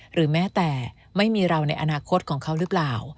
หรือแม้แต่ไม่มีเราในอนาคตของเขาหรือเปล่า